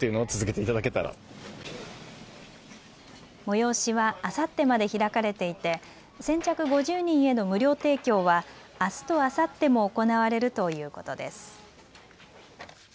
催しはあさってまで開かれていて先着５０人への無料提供はあすとあさっても行われるということです。